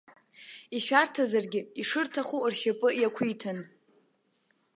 Ишәарҭазаргьы, ишырҭаху ршьапы иақәиҭын.